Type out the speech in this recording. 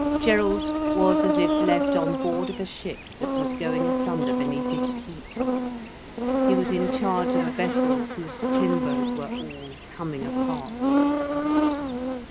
Gerald was as if left on board of a ship that was going asunder beneath his feet, he was in charge of a vessel whose timbers were all coming apart.